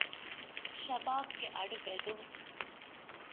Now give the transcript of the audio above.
ޝަބާބްގެ އަޑު ބެދުން